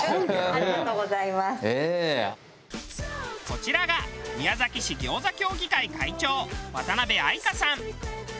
こちらが宮崎市ぎょうざ協議会会長渡辺愛香さん。